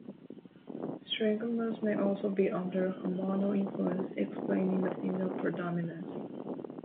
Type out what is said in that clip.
Syringomas may also be under hormonal influence explaining the female predominance.